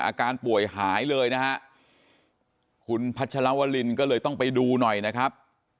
อาการป่วยหายเลยนะฮะคุณพัชลวรินก็เลยต้องไปดูหน่อยนะครับ